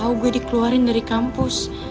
ini ada surat untuk kamu